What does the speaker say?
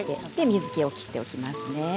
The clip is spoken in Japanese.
水けを切っておきます。